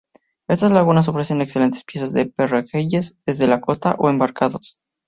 Estas lagunas ofrecen excelentes piezas de pejerreyes desde la costa o embarcados.